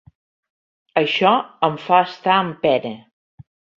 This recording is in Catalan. Això em fa estar en pena.